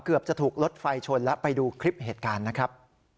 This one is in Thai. เกือบจะถูกรถไฟชนแล้วไปดูคลิปเหตุการณ์นะครับ